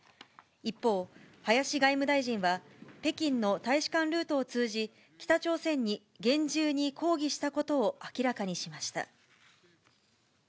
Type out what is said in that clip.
一方、林外務大臣は、北京の大使館ルートを通じ、北朝鮮に厳重に抗議したことを明らかにしました。